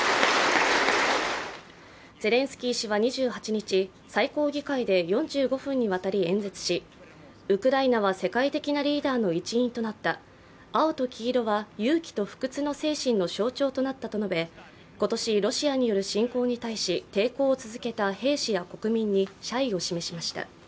ゼレンスキー氏は２８日、最高議会で４５分にわたり演説しウクライナは世界的なリーダーの一員となった、青と黄色は勇気と不屈の精神の象徴となったと述べ今年、ロシアによる侵攻に対し抵抗を続けた兵士や国民に謝意を示しました。